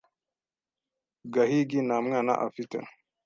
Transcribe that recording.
Gahigi nta mwana afite.